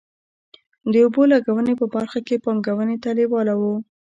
د اوبو لګونې په برخه کې پانګونې ته لېواله وو.